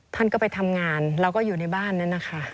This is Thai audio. ท่านก็ไปทำงานเราก็อยู่ในบ้านนั้นนะคะ